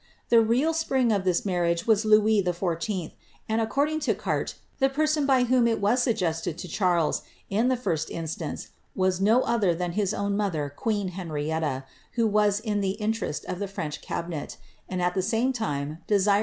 The real spring of this marriage was Louis XIV. ; and, ac ig to Carte, the person by whom it was suggested to Charles, in St instance, was no other than his own mother, queen Henrietta, ras in the interest of the French cabinet, and at the same time de le's Life of the Duke of Ormond.